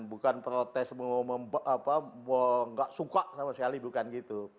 bukan protes mau nggak suka sama sekali bukan gitu